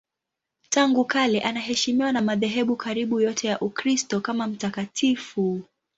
Tangu kale anaheshimiwa na madhehebu karibu yote ya Ukristo kama mtakatifu.